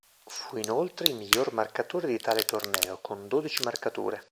Fu inoltre il miglior marcatore di tale torneo, con dodici marcature.